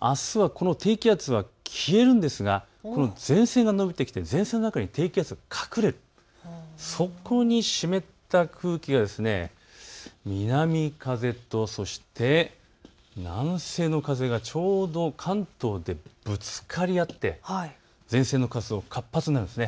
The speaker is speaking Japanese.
あすはこの低気圧が消えるんですが、前線が延びてきて前線の中に低気圧が隠れてそこに湿った空気が南風と、そして南西の風がちょうど関東でぶつかり合って前線の活動が活発になるんです。